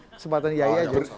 kesempatan iyai aja